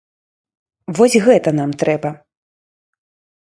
Вось гэта нам трэба.